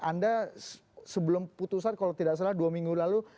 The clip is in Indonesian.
anda sebelum putusan kalau tidak salah dua minggu lalu